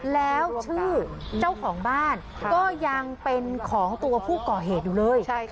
แล้วชื่อเจ้าของบ้านก็ยังเป็นของตัวผู้ก่อเหตุอยู่เลย